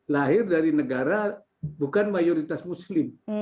lahir dari negara bukan mayoritas muslim